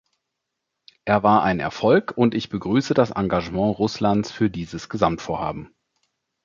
Er war ein Erfolg und ich begrüße das Engagement Russlands für dieses Gesamtvorhaben.